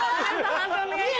判定お願いします。